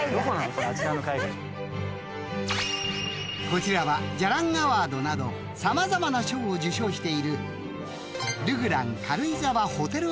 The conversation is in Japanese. ［こちらはじゃらんアワードなど様々な賞を受賞している］